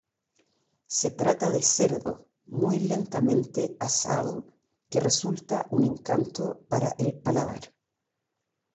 Se trata de cerdo muy lentamente asado que resulta un encanto para el paladar.